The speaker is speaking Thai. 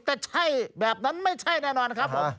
แต่ใช่แบบนั้นไม่ใช่แน่นอนครับผม